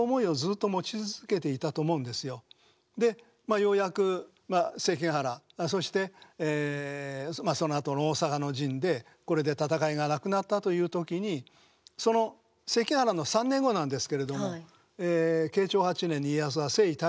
ようやく関ヶ原そしてそのあとの大坂の陣でこれで戦いがなくなったという時にその関ヶ原の３年後なんですけれども慶長８年に家康は征夷大将軍になりました。